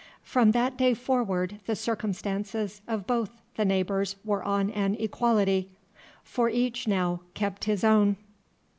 From that day forward the circumstances of both the neighbours were on an equality, for each now kept his own.